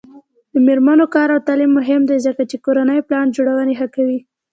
د میرمنو کار او تعلیم مهم دی ځکه چې کورنۍ پلان جوړونې ښه کوي.